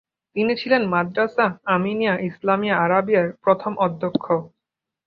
তিনি ছিলেন মাদ্রাসা আমিনিয়া ইসলামিয়া আরাবিয়ার প্রথম অধ্যক্ষ।